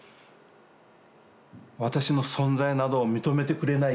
私の存在など認めてくれない